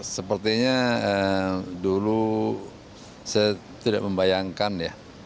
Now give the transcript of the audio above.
sepertinya dulu saya tidak membayangkan ya